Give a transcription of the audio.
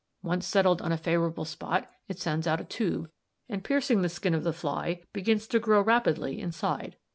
Once settled on a favourable spot it sends out a tube, and piercing the skin of the fly, begins to grow rapidly inside.